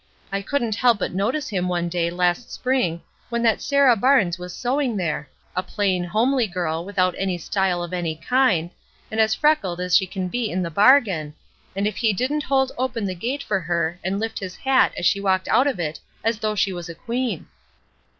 "I couldn't help but notice him one day last spring when that Sarah Barnes was sewing there — a plain, homely girl without 422 ESTER RIED^S NAMESAKE any style of any kind, and as freckled as she can be in the bargain, and if he didn't hold open the gate for her and lift his hat as she walked out of it as though she was a queen."